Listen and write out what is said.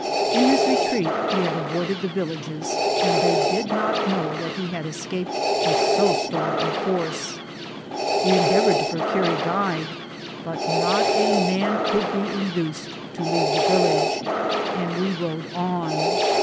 In his retreat he had avoided the villages, and they did not know that he had escaped with so strong a force. We endeavoured to procure a guide, but not a man could be induced to leave the village, and we rode on.